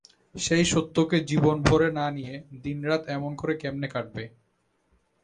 সেই সত্যকে জীবন ভরে না নিয়ে দিন রাত এমন করে কেমনে কাটবে?